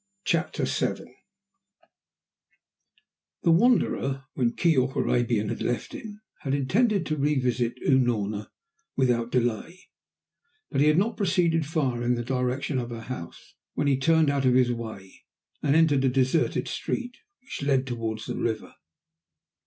CHAPTER VII The Wanderer, when Keyork Arabian had left him, had intended to revisit Unorna without delay, but he had not proceeded far in the direction of her house when he turned out of his way and entered a deserted street which led towards the river.